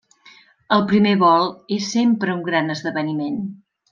El primer vol és sempre un gran esdeveniment.